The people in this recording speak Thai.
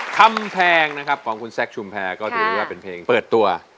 คำแพงของคุณแซข์ชุมแพร่เห็นว่าเป็นเพลงเปิดตัว